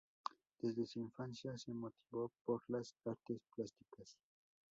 Desde su infancia se motivó por las artes plásticas.